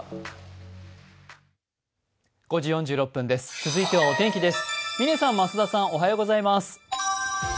続いてはお天気です。